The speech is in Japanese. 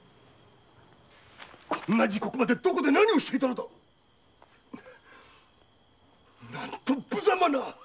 こんな時刻までどこで何をしていたのだ⁉何と無様な！